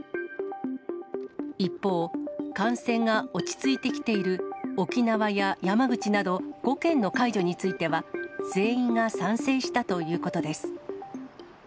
一方、感染が落ち着いてきている沖縄や山口など、５県の解除については、全員が賛成したということです。